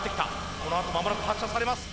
このあと間もなく発射されます。